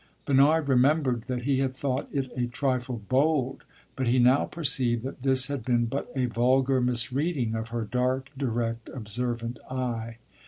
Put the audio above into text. Bernard remembered that he had thought it a trifle "bold"; but he now perceived that this had been but a vulgar misreading of her dark, direct, observant eye.